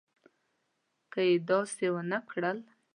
که یې داسې ونه کړل.